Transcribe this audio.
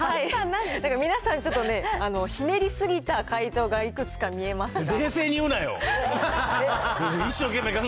皆さん、ちょっとね、ひねり過ぎた解答がいくつか見えますが。